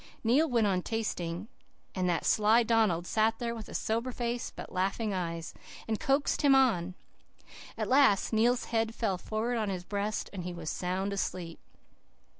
"Neil went on 'tasting,' and that sly Donald sat there with a sober face, but laughing eyes, and coaxed him on. At last Neil's head fell forward on his breast, and he was sound asleep.